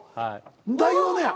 代表のや。